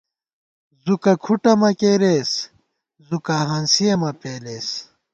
زُکہ کھُٹہ مہ کېرېس ، زُکا ہانسِیَہ مہ پېلېس